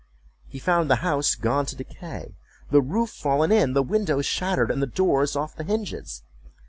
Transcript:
He found the house gone to decay—the roof fallen in, the windows shattered, and the doors off the hinges.